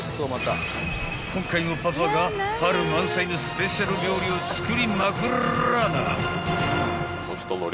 ［今回もパパが春満載のスペシャル料理を作りまくらぁな！］